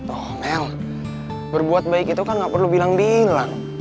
toh el berbuat baik itu kan gak perlu bilang bilang